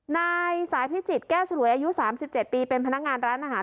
นายสายพิจิตรแก้วฉลวยอายุ๓๗ปีเป็นพนักงานร้านอาหาร